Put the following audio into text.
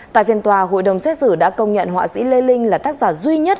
tại phiên tòa hội đồng xét xử đã công nhận họa sĩ lê linh là tác giả duy nhất